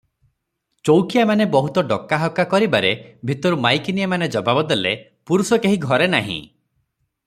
ଚଉକିଆମାନେ ବହୁତ ଡକାହକା କରିବାରେ ଭିତରୁ ମାଇକିନିଆମାନେ ଜବାବ ଦେଲେ, "ପୁରୁଷ କେହି ଘରେ ନାହିଁ ।